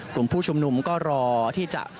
กลุ่มผู้ชุมนุมก็รอที่จะ